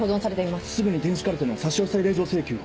すぐに電子カルテの差し押さえ令状請求を。